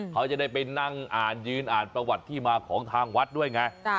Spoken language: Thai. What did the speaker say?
เขาจะได้ไปนั่งอ่านยืนอ่านประวัติที่มาของทางวัดด้วยไง